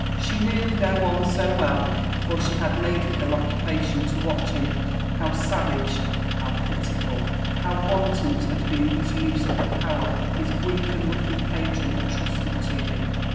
She knew — no one so well, for she had made it her occupation to watch him — how savage, how pitiful, how wanton bad beeq his use of the power his weak and wicked patron had trusted to him.